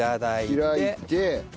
開いて。